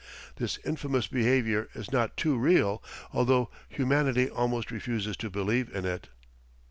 This infamous behaviour is but too real, although humanity almost refuses to believe in it.